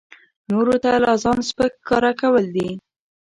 نورو ته لا ځان سپک ښکاره کول دي.